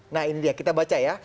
nah ini dia kita baca ya